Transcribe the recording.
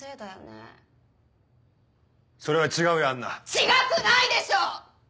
違くないでしょ